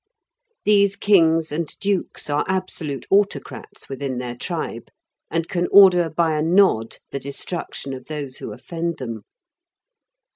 These kings and dukes are absolute autocrats within their tribe, and can order by a nod the destruction of those who offend them.